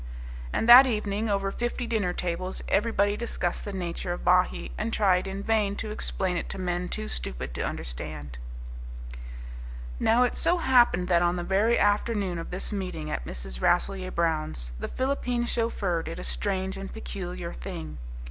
And that evening, over fifty dinner tables, everybody discussed the nature of Bahee, and tried in vain to explain it to men too stupid to understand. Now it so happened that on the very afternoon of this meeting at Mrs. Rasselyer Brown's, the Philippine chauffeur did a strange and peculiar thing.